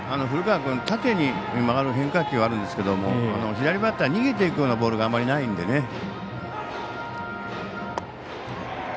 古川君、縦に曲がる変化球はあるんですけど左バッターに逃げていくようなボールがあまりないのでね。